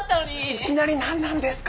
いきなり何なんですか！